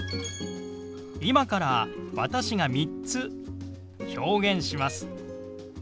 今から私が３つ表現します。